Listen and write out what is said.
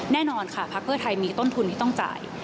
แน่นอนค่ะพักเพื่อไทยมีต้นทุนที่ต้องจ่าย